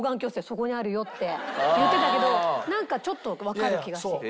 「そこにあるよ」って言ってたけどなんかちょっとわかる気がして。